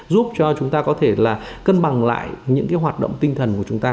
giúp cho chúng ta có thể cân bằng lại những hoạt động tinh thần của chúng ta